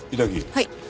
はい。